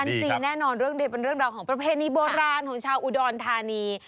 ซีแน่นอนเรื่องเด็ดเป็นเรื่องราวของประเพณีโบราณของชาวอุดรธานี